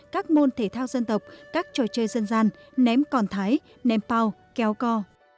các môn thể thao dân tộc các trò chơi dân gian ném còn thái ném pau kéo co